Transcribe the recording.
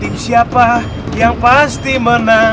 tim siapa yang pasti menang